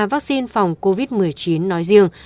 vaccine phòng covid một mươi chín nói riêng